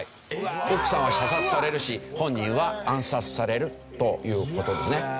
奥さんは射殺されるし本人は暗殺されるという事ですね。